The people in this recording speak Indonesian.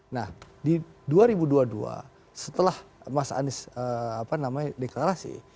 nah di dua ribu dua puluh dua setelah mas anies deklarasi